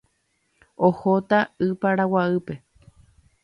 Ohóta Y Paraguaýpe.